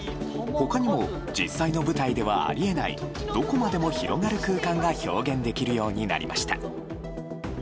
他にも実際の舞台ではあり得ないどこまでも広がる空間が表現できるようになりました。